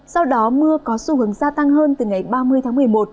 sau đó mưa có xu hướng gia tăng hơn từ ngày ba mươi tháng một mươi một